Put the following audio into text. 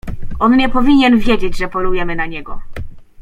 "On nie powinien wiedzieć, że polujemy na niego."